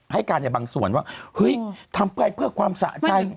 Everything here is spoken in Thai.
ให้การในบางส่วนว่าเฮ้ยทำไปเพื่อความสะใจ